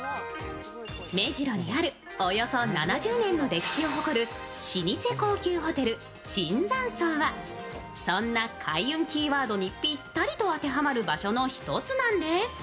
目白にあるおよそ７０年の歴史を誇る老舗高級ホテル・椿山荘はそんな開運キーワードにぴったりと当てはまる場所の一つなんです。